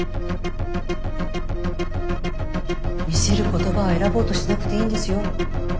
見せる言葉を選ぼうとしなくていいんですよ。